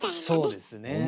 そうですね。